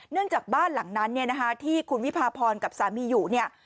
เนื่องจากบ้านหลังนั้นที่คุณวิพาพรกับสามีอยู่